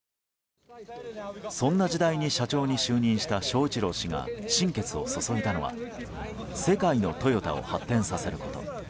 そんな時代に社長に就任した章一郎氏が心血を注いだのは世界のトヨタを発展させること。